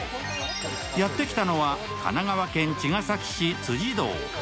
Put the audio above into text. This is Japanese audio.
やってきたのは、神奈川県茅ケ崎市辻堂。